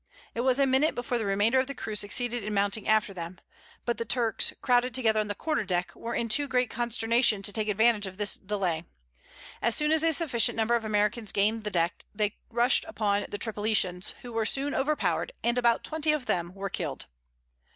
It was a minute before the remainder of the crew succeeded in mounting after them. But the Turks, crowded together on the quarter deck, were in too great consternation to take advantage of this delay. As soon as a sufficient number of Americans gained the deck they rushed upon the Tripolitans, who were soon overpowered; and about twenty of them were killed.